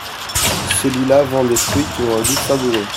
Celui-là vend des fruits qui ont un goût savoureux.